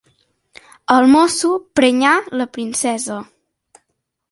El mosso prenyà la princesa.